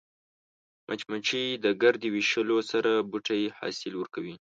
مچمچۍ د ګردې ویشلو سره بوټي حاصل ورکوي